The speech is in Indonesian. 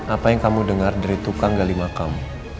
apa yang kamu dengar dari tukang gali makam